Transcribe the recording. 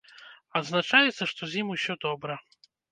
Адзначаецца, што з ім усё добра.